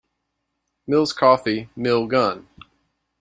Mill's Coffee Mill Gun.